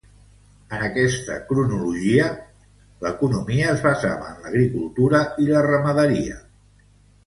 En aquesta cronologia, l'economia es basava en l’agricultura i la ramaderia.